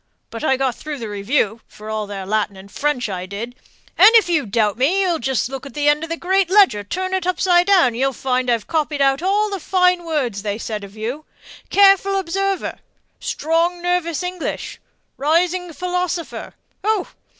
But I got through the review, for all their Latin and French I did; and if you doubt me, you just look at the end of the great ledger, turn it upside down, and you'll find I've copied out all the fine words they said of you: 'careful observer,' 'strong nervous English,' 'rising philosopher.' Oh!